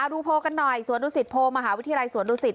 ดูโพลกันหน่อยสวนดุสิตโพมหาวิทยาลัยสวนดุสิต